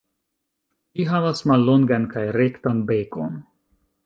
Ĝi havas mallongan kaj rektan bekon.